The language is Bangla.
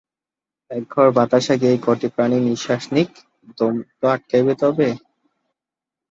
একঘর বাতাস আগে এই কটি প্রাণী নিশ্বাস নিক, দম তো আটকাইবে তবে!